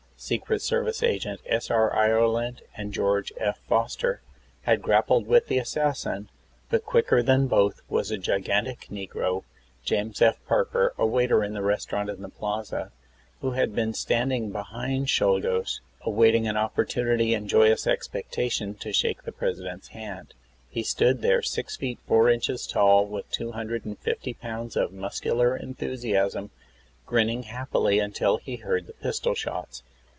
Secret Service Agent S. R. Ireland and George F. Foster had grappled with the assassin, but, quicker than both, was a gigantic negro , James F. Parker, a waiter in a restaurant in the Plaza, who had been standing behind Czolgosz, awaiting an opportunity, in joyous expectation, to shake the President's hand. He stood there, six feet four inches tall, with two hundred and fifty pounds of muscular enthusiasm, grinning happily, until he heard the pistol shots.